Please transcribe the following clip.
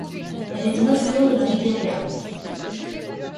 Elle est un affluent de la rivière Liard.